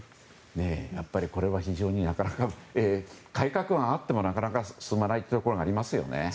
やっぱり、これは改革案があってもなかなか進まないというところがありますよね。